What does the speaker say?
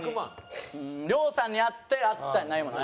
亮さんにあって淳さんにないもの。